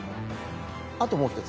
あともうひとつ。